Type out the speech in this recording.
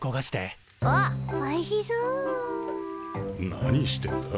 何してんだ？